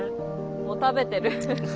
もう食べてる。